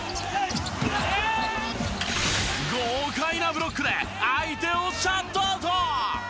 豪快なブロックで相手をシャットアウト！